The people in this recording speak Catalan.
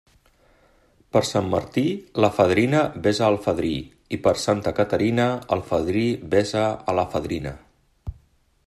Per Sant Martí, la fadrina besa al fadrí, i per Santa Caterina el fadrí besa a la fadrina.